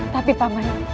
tapi pak man